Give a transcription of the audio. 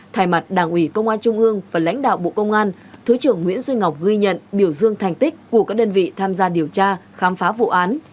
thay mặt đảng ủy công an trung ương và lãnh đạo bộ công an thứ trưởng nguyễn duy ngọc ghi nhận biểu dương thành tích của các đơn vị tham gia điều tra khám phá vụ án